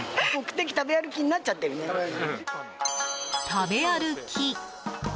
食べ歩き！